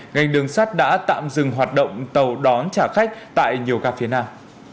ngành đường sắt đã tạm dừng hoạt động tàu đón trả khách tại nhiều gà phía nam